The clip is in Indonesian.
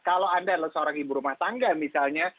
kalau anda adalah seorang ibu rumah tangga misalnya